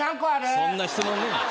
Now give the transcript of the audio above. そんな質問ねえ